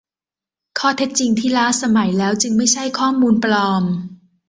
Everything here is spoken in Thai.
ข้อเท็จจริงที่ล้าสมัยแล้วจึงไม่ใช่ข้อมูลปลอม